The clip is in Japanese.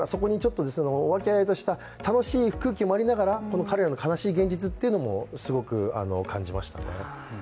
和気藹々とした楽しい空気もあり作ってあげながら彼らの悲しい現実もすごく感じましたね。